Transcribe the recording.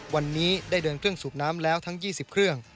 วันนี้ได้เดินเครื่องสูบน้ำแล้วทั้ง๒๐เครื่อง